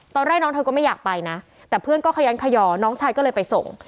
ตอนแรกน้องเธอก็ไม่อยากไปนะแต่เพื่อนก็ขยันขยอน้องชายก็เลยไปส่ง